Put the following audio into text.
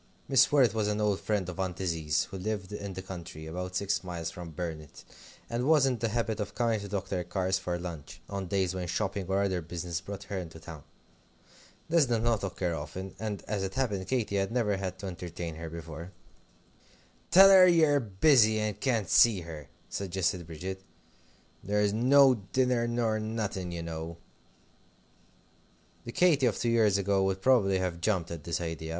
Mrs. Worrett was an old friend of Aunt Izzie's, who lived in the country, about six miles from Burnet, and was in the habit of coming to Dr. Carr's for lunch, on days when shopping or other business brought her into town. This did not occur often; and, as it happened, Katy had never had to entertain her before. "Tell her ye're busy, and can't see her," suggested Bridget; "there's no dinner nor nothing, you know." The Katy of two years ago would probably have jumped at this idea.